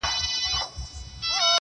ولي دي يو انسان ته دوه زړونه ور وتراشله.